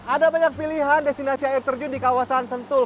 ada banyak pilihan destinasi air terjun di kawasan sentul